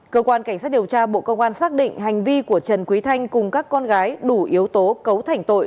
cơ quan cảnh sát điều tra bộ công an xác định hành vi của trần quý thanh cùng các con gái đủ yếu tố cấu thành tội